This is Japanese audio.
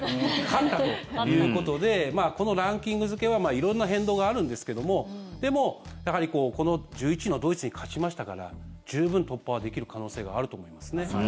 勝ったということでこのランキング付けは色んな変動があるんですけどもでもやはりこの１１位のドイツに勝ちましたから十分、突破はできる可能性があると思いますね。